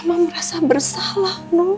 mama merasa bersalah no